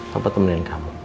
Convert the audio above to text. papa temenin kamu